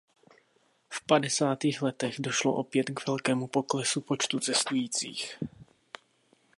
V padesátých letech došlo opět k velkému poklesu počtu cestujících.